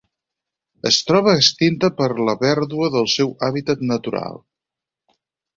Es troba extinta per la pèrdua del seu hàbitat natural.